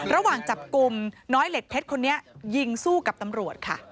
ระหว่างจับกลุ่มน้อยเหล็กเพชรคนนี้ยิงสู้กับตำรวจค่ะ